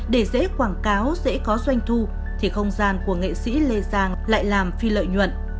để dễ quảng cáo dễ có doanh thu thì không gian của nghệ sĩ lê giang lại làm phi lợi nhuận